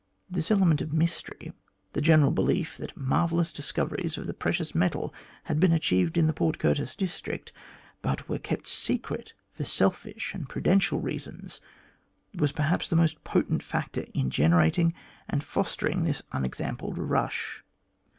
This element of mystery, the general belief that marvellous discoveries of the precious metal had been achieved in the Port Curtis district, but were kept secret for selfish and prudential reasons, was perhaps the most potent factor in generating and fostering this unexampled rush.